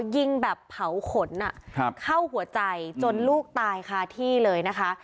ยิงแบบเผาขนเข้าหัวใจจนลูกตายคาที่เลยนะคะ